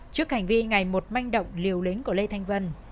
trước hành vi ngày một manh động liều lĩnh của lê thanh vân